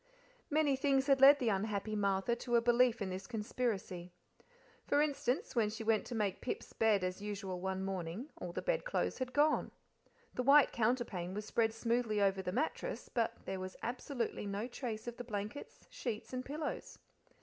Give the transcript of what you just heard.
Many things had led the unhappy Martha to a belief in this conspiracy. For instance, when she went to make Pip's bed as usual one morning all the bedclothes had gone. The white counterpane was spread smoothly over the mattress, but there was absolutely no trace of the blankets, sheets, and pillows.